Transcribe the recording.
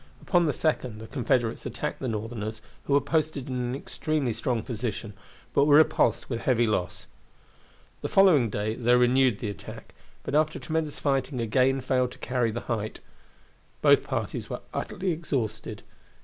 Upon the second the Confederates attacked the Northerners, who were posted in an extremely strong position, but were repulsed with heavy loss. The following day they renewed the attack, but after tremendous fighting again failed to carry the height. Both parties were utterly exhausted.